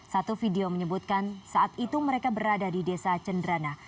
satu video menyebutkan saat itu mereka berada di desa cendrana